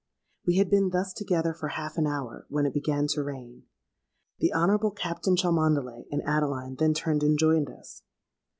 We had been thus together for half an hour, when it began to rain. The Honourable Captain Cholmondeley and Adeline then turned and joined us.